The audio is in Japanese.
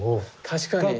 確かに。